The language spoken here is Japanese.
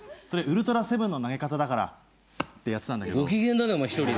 それウルトラセブンの投げ方だからってやってたんだけど。